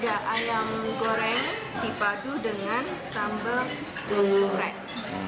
ada ayam goreng dipadu dengan sambal goreng